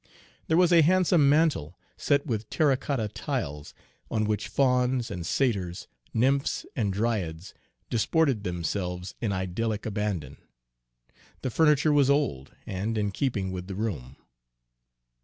There was a handsome mantel, set with terra cotta tiles, on which fauns and satyrs, nymphs and dryads, disported themselves in idyllic abandon. The furniture was old, and in keeping with the room.